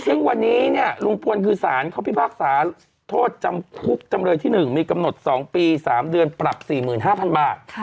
ซึ่งวันนี้เนี่ยลุงพลคือสารเขาพิพากษาโทษจำคุกจำเลยที่๑มีกำหนด๒ปี๓เดือนปรับ๔๕๐๐บาท